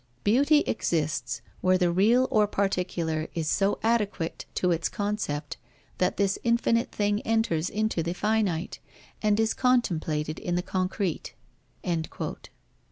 "Beauty exists where the real or particular is so adequate to its concept that this infinite thing enters into the finite, and is contemplated in the concrete."